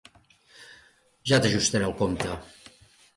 Ja t'ajustaré el compte.